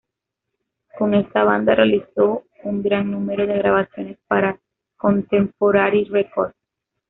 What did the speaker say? Con esta banda realizó un gran número de grabaciones para Contemporary Records.